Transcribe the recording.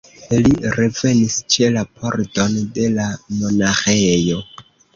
Li revenis ĉe la pordon de la monaĥejo.